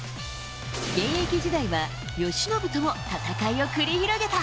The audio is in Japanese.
現役時代は、由伸とも戦いを繰り広げた。